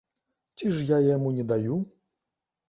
Ці ж я яму не даю?!